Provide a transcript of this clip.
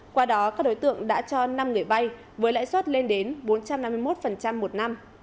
qua đó các đối tượng đã cho năm người vay với lãi suất lên đến bốn trăm năm mươi một một năm